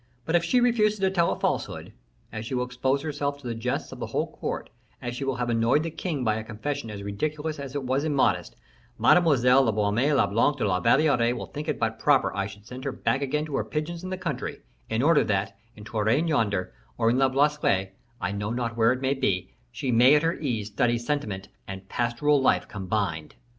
But if she refuses to tell a falsehood, as she will expose herself to the jests of the whole court, as she will have annoyed the king by a confession as ridiculous as it was immodest, Mademoiselle la Baume le Blanc de la Valliere will think it but proper I should send her back again to her pigeons in the country, in order that, in Touraine yonder, or in Le Blaisois, I know not where it may be, she may at her ease study sentiment and pastoral life combined."